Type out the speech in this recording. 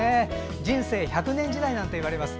人生１００年時代なんていわれます。